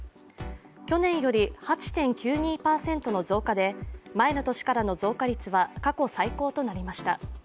去年より８．９２％の増加で前の年からの増加率は過去最高となりました。